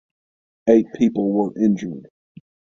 Eight people were injured.